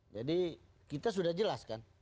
jadi kita sudah jelas kan